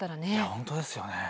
本当ですよね。